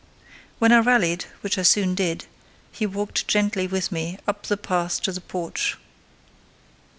When I rallied, which I soon did, he walked gently with me up the path to the porch.